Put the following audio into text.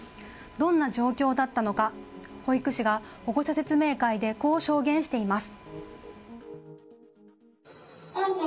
どんな状況だったのか保育士が保護者説明会でこう証言しています。